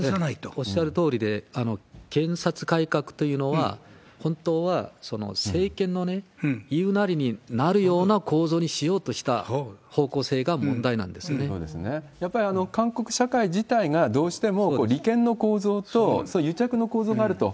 おっしゃるとおりで、検察改革というのは、本当は政権の言いなりになるような構造にしようとした方向性が問やっぱり韓国社会時代がどうしても、利権の構造と、そういう癒着の構造があると。